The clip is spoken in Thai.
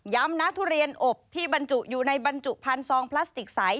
ย้ำนะทุเรียนอบที่บรรจุอยู่ในบรรจุพันธุ์ซองพลาสติกไซต์